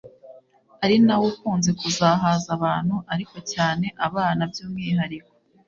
ari nawo ukunze kuzahaza abantu ariko cyane abana byumwihariko